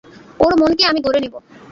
ওর মনকে আমি গড়ে নেব।